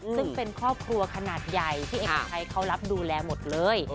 ซึ่งเป็นครอบครัวขนาดใหญ่พี่เอกชัยเขารับดูแลหมดเลย